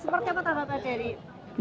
seperti apa tata tata dari